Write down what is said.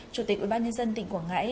chủ tịch ubnd tỉnh quảng ngãi